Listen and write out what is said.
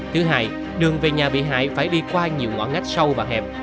thứ hai đường về nhà bị hại phải đi qua nhiều ngõ ngách sâu và hẹp